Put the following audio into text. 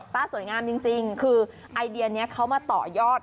สวยงามจริงคือไอเดียนี้เขามาต่อยอด